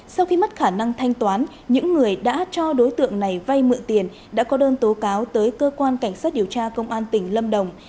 sau khi mất khả năng thanh toán những người đã cho đối tượng này vay mượn tiền đã có đơn tố cáo tới cơ quan cảnh sát điều tra công an tỉnh lâm đồng